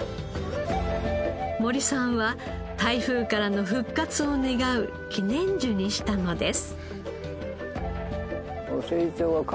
森さんは台風からの復活を願う記念樹にしたのです。